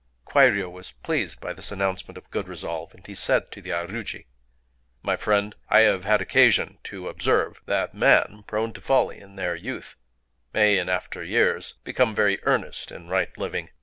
Kwairyō was pleased by this announcement of good resolve; and he said to the aruji:— "My friend, I have had occasion to observe that men, prone to folly in their youth, may in after years become very earnest in right living.